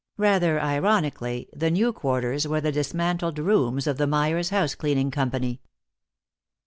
Rather ironically, the new quarters were the dismantled rooms of the Myers Housecleaning Company.